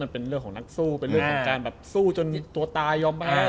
เป็นเรื่องจนตัวตาย